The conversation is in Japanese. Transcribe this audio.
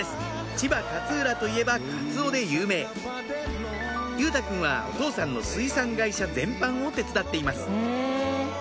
千葉・勝浦といえばカツオで有名佑太くんはお父さんの水産会社全般を手伝っています